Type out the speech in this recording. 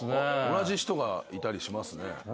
同じ人がいたりしますね。